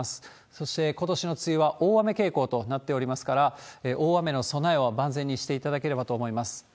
そしてことしの梅雨は大雨傾向となっておりますから、大雨の備えを万全にしていただければと思います。